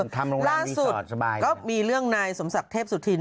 ทำรองร้านวิทยาลัยสบายล่าสุดก็มีเรื่องในสมศักดิ์เทพสุธิน